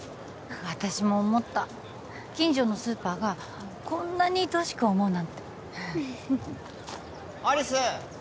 私も思った近所のスーパーがこんなにいとおしく思うなんて有栖！